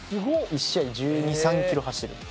１試合に１２１３キロ走ってる。